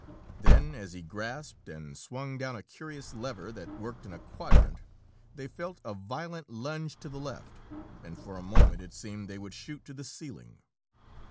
Then, as he grasped and swung down a curious lever that worked in a quadrant, they felt a violent lunge to the left, and for a moment it seemed they would shoot to the ceiling.